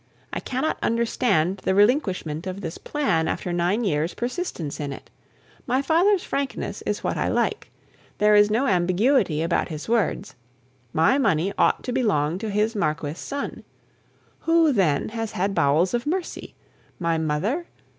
I cannot understand the relinquishment of this plan after nine years' persistence in it. My father's frankness is what I like. There is no ambiguity about his words. My money ought to belong to his Marquis son. Who, then, has had bowels of mercy? My mother?